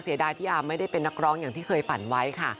เสียดายที่อาร์มไม่ได้เป็นนักร้องอย่างที่เคยฝันไว้ค่ะ